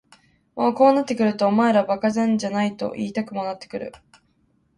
もうこうなってくるとお前ら馬鹿なんじゃないと言いたくもなってくる。